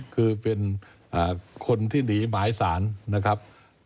คือเป็นคนที่หนีหมายสารนะครับ